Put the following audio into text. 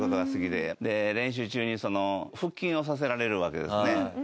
で練習中に腹筋をさせられるわけですね。